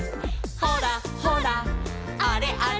「ほらほらあれあれ」